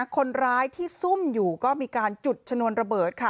คนร้ายที่ซุ่มอยู่ก็มีการจุดชนวนระเบิดค่ะ